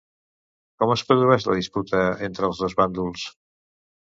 Com es produeix la disputa entre els dos bàndols?